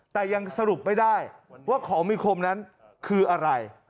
แต่ยังสรุปไม่ได้ว่าของมีคมนั้นคืออะไร